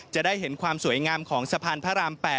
จะได้เห็นความสวยงามของสะพานพระราม๘